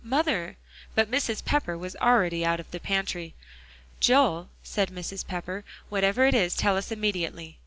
mother" but Mrs. Pepper was already out of the pantry. "Joel," said Mrs. Pepper, "whatever it is, tell us immediately."